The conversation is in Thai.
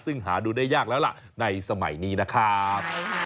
ซึ่งหาดูได้ยากแล้วล่ะในสมัยนี้นะครับ